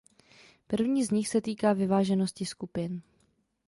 První z nich se týká vyváženosti skupin.